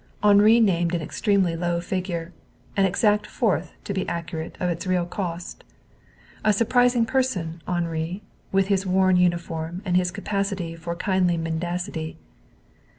Henri named an extremely low figure an exact fourth, to be accurate, of its real cost. A surprising person Henri, with his worn uniform and his capacity for kindly mendacity.